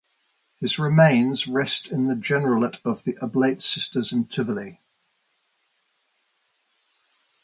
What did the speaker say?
His remains rest in the generalate of the Oblate Sisters in Tivoli.